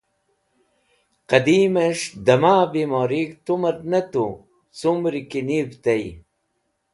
Qẽdimẽs̃h dẽma bimorig̃h tumẽr ne tu cumri ki niv tey.